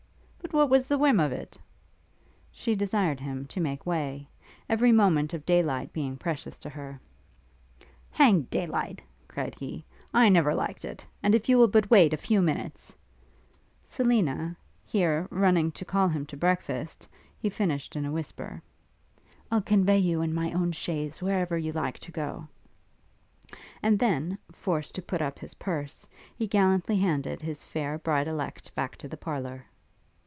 'But what was the whim of it?' She desired him to make way, every moment of day light being precious to her. 'Hang day light!' cried he, 'I never liked it; and if you will but wait a few minutes ' Selina, here, running to call him to breakfast, he finished in a whisper, 'I'll convey you in my own chaise wherever you like to go;' and then, forced to put up his purse, he gallantly handed his fair bride elect back to the parlour.